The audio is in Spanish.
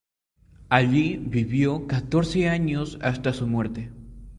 Allí vivió catorce años hasta su muerte.